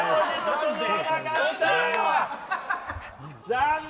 残念！